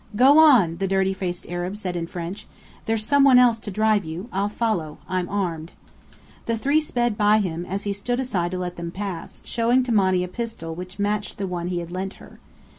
"Go on!" the dirty faced Arab said in French. "There's some one else to drive you. I'll follow. I'm armed." The three sped by him, as he stood aside to let them pass, showing to Monny a pistol which matched the one he had lent her.